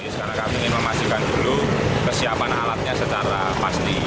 sekarang kami ingin memastikan dulu kesiapan alatnya secara pasti